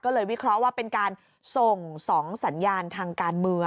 ก็เลยวิเคราะห์ว่าเป็นการส่ง๒สัญญาณทางการเมือง